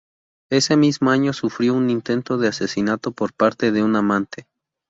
Ese mismo año sufrió un intento de asesinato por parte de un amante.